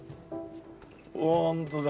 本当だ。